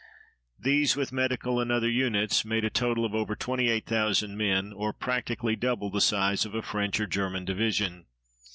These, with medical and other units, made a total of over 28,000 men, or practically double the size of a French or German division.